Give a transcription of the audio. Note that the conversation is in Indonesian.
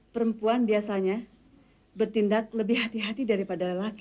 perempuan biasanya bertindak lebih hati hati daripada lelaki